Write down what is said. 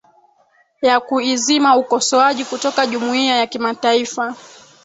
ya kuizima ukosoaji kutoka jumuiya ya kimataifa